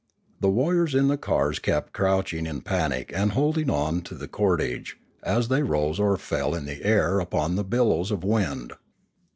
The warriors in the cars kept crouching in panic and holding onto the cordage, as they rose or fell 496 Limanora in the air upon the billows of wind.